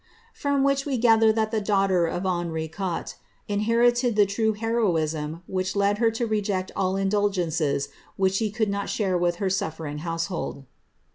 From which we gather that the daughter of Henri Qutre iniicrited that true heroism which led her to reject all indulgences which she could not share with her suflcring household.